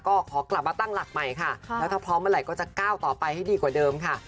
ก็ขอกลับมาตั้งหลักใหม่ค่ะแล้วถ้าพร้อมเมื่อไหร่ก็จะก้าวต่อไปให้ดีกว่าเดิมค่ะ